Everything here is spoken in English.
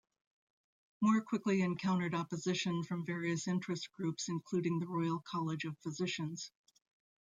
Moore quickly encountered opposition from various interest groups, including the Royal College of Physicians.